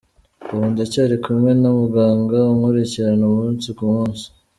Ubu ndacyari kumwe na muganga unkurikirana umunsi ku munsi.